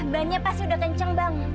bannya pasti udah kencang bang